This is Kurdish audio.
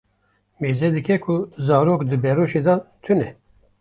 Mêze dike ku zarok di beroşê de tune.